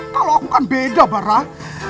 kalau aku kan beda barang